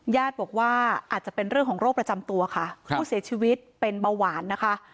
ญาติบอกว่าอาจจะเป็นเรื่องของโรคประจำตัวค่ะผู้เสียชีวิตเป็นเบาหวานนะคะ